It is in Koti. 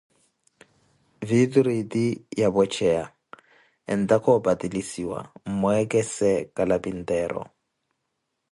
Viituro eti ya pwecheya, entaka o patilisiwa, mwamweekese kalapinteero.